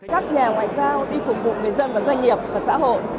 các nhà ngoại giao đi phục vụ người dân và doanh nghiệp và xã hội